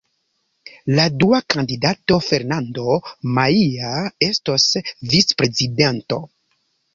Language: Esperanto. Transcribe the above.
La dua kandidato, Fernando Maia, estos vicprezidanto.